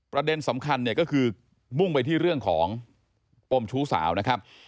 ประเด็นสำคัญเนี่ยก็คือมุ่งไปที่เรื่องของปมชู้สาวนะครับ